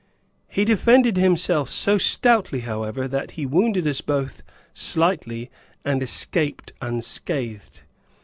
He defended himself so stoutly, however, that he wounded us both, slightly, and escaped unscathed.)